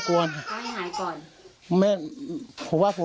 ก็หายก่อน